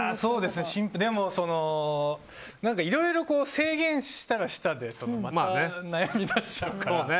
でもいろいろ制限したらしたで悩み出しちゃうから。